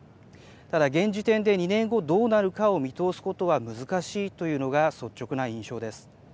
ただ、現時点で２年後どうなるかを見通すことは難しいというのが率直な印象です。